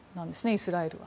イスラエルは。